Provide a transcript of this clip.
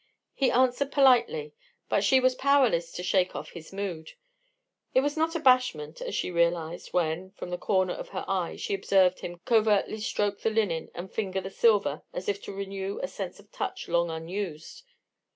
He answered politely, but she was powerless to shake off his mood. It was not abashment, as she realized when, from the corner of her eye, she observed him covertly stroke the linen and finger the silver as if to renew a sense of touch long unused.